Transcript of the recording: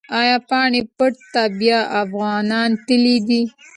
ایا پاني پت ته بیا افغانان تللي دي؟